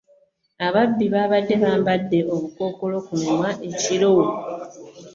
Ababbi babadde bambadde obukookolo ku mimwa ekiro.